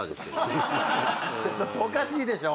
ちょっとおかしいでしょ！